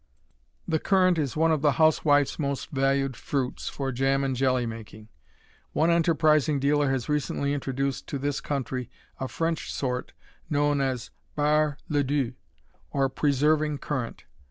The currant is one of the housewife's most valued fruits for jam and jelly making. One enterprising dealer has recently introduced to this country a French sort known as Bar le Duc, or Preserving Currant.